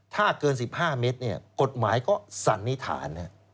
ถ้าเกิน๑๕เมตรกฎหมายก็สันนิษฐาน